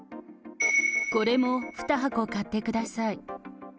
これも２箱買ってください。